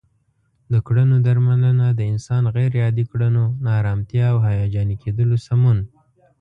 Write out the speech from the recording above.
د کړنو درملنه د انسان غیر عادي کړنو، ناآرامتیا او هیجاني کیدلو سمون